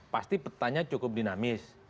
pasti petanya cukup dinamis